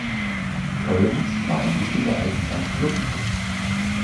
Corinth war ein wichtiger Eisenbahnknotenpunkt.